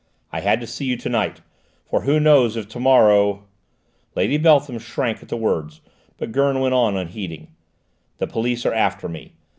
"I had to see you to night, for who knows if to morrow " Lady Beltham shrank at the words, but Gurn went on unheeding. "The police are after me.